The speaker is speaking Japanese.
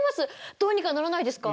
どうにかならないですか？